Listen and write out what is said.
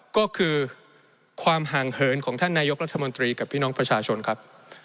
ก็คือความห่างเหินของท่านนายกรัฐมนตรีกับพี่น้องประชาชนครับ